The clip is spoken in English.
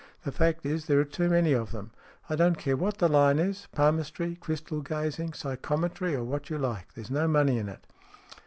The fact is there are too many of them. I don't care what the line is palmistry, crystal gazing, psychometry, or what you like. There's no money in it."